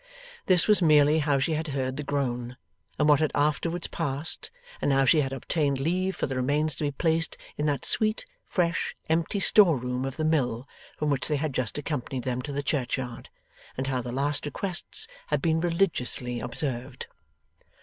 This was merely how she had heard the groan, and what had afterwards passed, and how she had obtained leave for the remains to be placed in that sweet, fresh, empty store room of the mill from which they had just accompanied them to the churchyard, and how the last requests had been religiously observed.